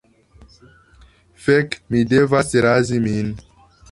Fek' mi devas razi min